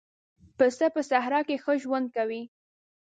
پسه په صحرا کې ښه ژوند کوي.